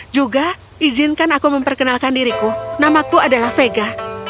juga izinkan aku memperkenalkan diriku namaku adalah vega